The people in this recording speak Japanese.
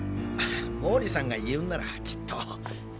毛利さんが言うんならきっと。